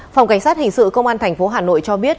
phòng cảnh sát hình sự công an tp hà nội cho biết